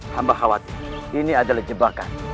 hamba khawatir ini adalah jebakan